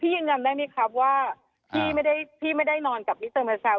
พี่ยืนยันได้ไหมครับว่าพี่ไม่ได้นอนกับดิฉัน